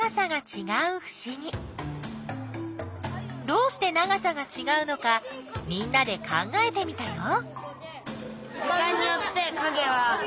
どうして長さがちがうのかみんなで考えてみたよ。